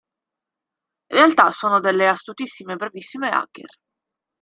In realtà sono delle astutissime e bravissime hacker.